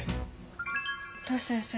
トシ先生。